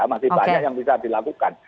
masih banyak yang bisa dilakukan